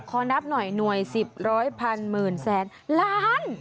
นับหน่อยหน่วย๑๐พันหมื่นแสนล้าน